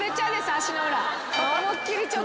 足の裏。